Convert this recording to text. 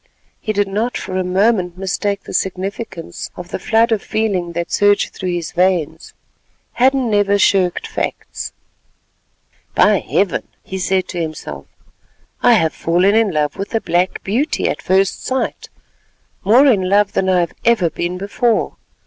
He did not for a moment mistake the significance of the flood of feeling that surged through his veins. Hadden never shirked facts. "By Heaven!" he said to himself, "I have fallen in love with a black beauty at first sight—more in love than I have ever been before.